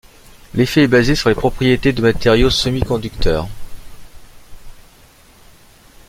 L'effet est basé sur les propriétés de matériaux semi-conducteurs.